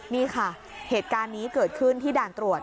นี่ค่ะเหตุการณ์นี้เกิดขึ้นที่ด่านตรวจ